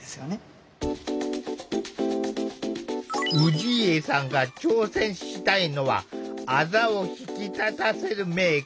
氏家さんが挑戦したいのはあざを引き立たせるメーク。